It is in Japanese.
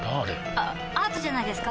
あアートじゃないですか？